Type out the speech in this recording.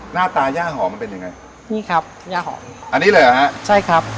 หน้าตาย่าหอมมันเป็นยังไงนี่ครับย่าหอมอันนี้เลยเหรอฮะใช่ครับ